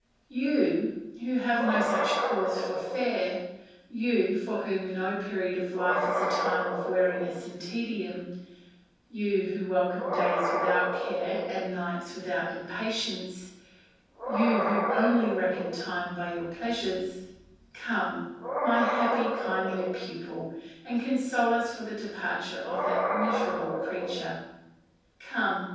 You who have no such cause for fear, you for whom no period of life is a time of weariness and tedium, you who welcome days without care and nights without impatience, you who only reckon time by your pleasures, come, my happy kindly pupil, and console us for the departure of that miserable creature. Come!